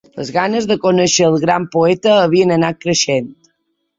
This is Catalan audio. Les ganes de conèixer al gran poeta havien anat creixent